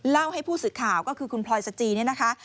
เล่าให้ผู้สื่อข่าวก็คือคุณพลอยสจีเนี่ยนะคะ